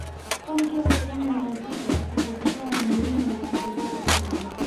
Kwani kila sehemu unayopita utakutana na milima yenye Kupendeza sana